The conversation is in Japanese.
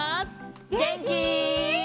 げんき？